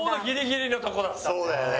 そうだよね。